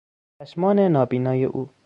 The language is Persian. چشمان نابینای او